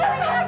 pak jangan pak